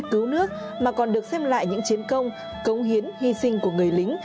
cứu nước mà còn được xem lại những chiến công công hiến hy sinh của người lính